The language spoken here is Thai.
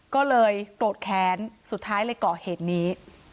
ก็เลยโกรธแค้นสุดท้ายเลยก่อเหตุนี้